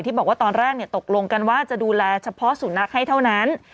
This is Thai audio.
บอกว่าตอนแรกตกลงกันว่าจะดูแลเฉพาะสุนัขให้เท่านั้น